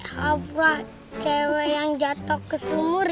hafrah cewe yang jatok ke sumur ya